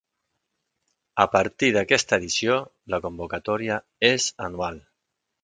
A partir d'aquesta edició, la convocatòria és anual.